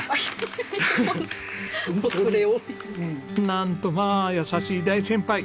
なんとまあ優しい大先輩。